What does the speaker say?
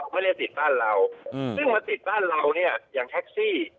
ไม่ได้ติดบ้านเราซึ่งมาติดบ้านเราเนี่ยอย่างแท็กซี่